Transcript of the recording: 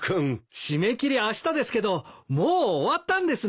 締め切りあしたですけどもう終わったんですね？